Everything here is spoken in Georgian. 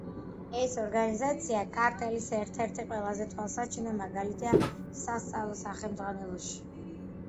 ეს ორგანიზაცია კარტელის ერთ-ერთი ყველაზე თვალსაჩინო მაგალითია სასწავლო სახელმძღვანელოებში.